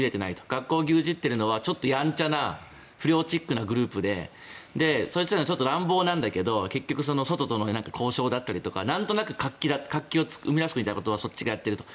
学校を牛耳っているのはちょっとやんちゃなグループでそいつらはちょっと乱暴なんだけど外との交渉とかなんとなく活気を生み出すみたいなことはそっちがやっていると。